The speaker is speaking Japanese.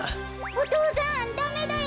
お父さんダメだよ。